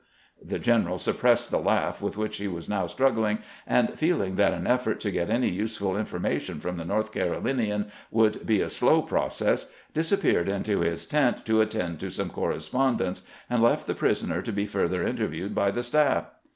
The general suppressed the laugh with which he was now struggling, and feeling that an effort to get any useful information from the North Carolinian would be a slow process, disappeared into his tent to attend to some correspondence, and left the prisoner to be further interviewed by the staff.